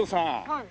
はい。